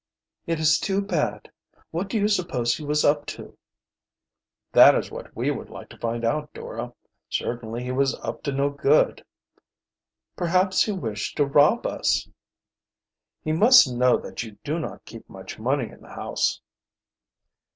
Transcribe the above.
"It is too bad. What do you suppose he was up to?" "That is what we would like to find out, Dora. Certainly he was up to no good." "Perhaps he wished to rob us." "He must know that you do not keep much money in the house."